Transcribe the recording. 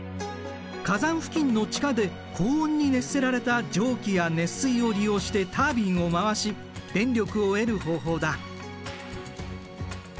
火山付近の地下で高温に熱せられた蒸気や熱水を利用してタービンを回し電力を得る方法だ。